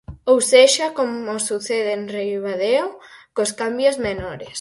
Ou sexa, como sucede en Ribadeo cos cambios menores.